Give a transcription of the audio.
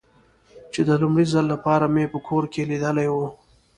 چې د لومړي ځل له پاره مې په کور کې لیدلی و.